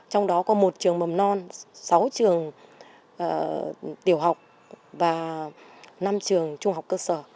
trong đó có một trường mầm non sáu trường tiểu học và năm trường trung học cơ sở